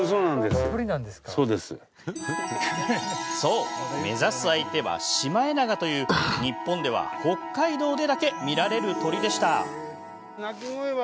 そう、目指す相手はシマエナガという日本では北海道でだけ見られる鳥でした。